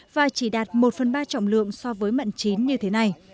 và chỉ đạt một phần ba trọng lượng so với mận chín như thế này